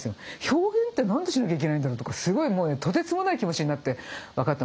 表現って何でしなきゃいけないんだろうとかすごいもうねとてつもない気持ちになって分かった